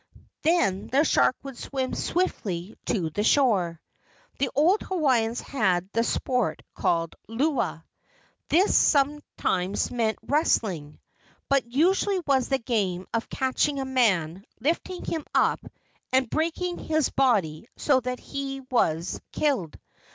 Then the shark would swim swiftly to the shore." The old Hawaiians had the sport called "lua." This some¬ times meant wrestling, but usually was the game of catching a man, lifting him up, and breaking his body so that he was killed.